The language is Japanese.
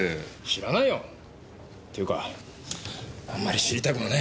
知らないよ！っていうかあんまり知りたくもない。